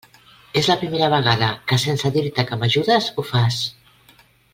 És la primera vegada que, sense dir-te que m'ajudes, ho fas.